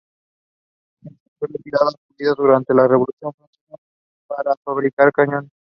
Ésta fue retirada y fundida durante la Revolución francesa para fabricar cañones.